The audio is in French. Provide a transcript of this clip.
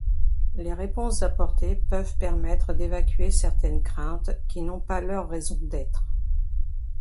Les réponses apportées peuvent permettre d’évacuer certaines craintes qui n’ont pas leur raison d’être.